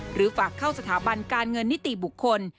ฝากเข้าสถาบันการเงินนิติบุคคล